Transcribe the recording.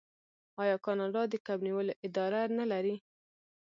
آیا کاناډا د کب نیولو اداره نلري؟